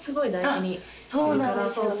そうなんですよね。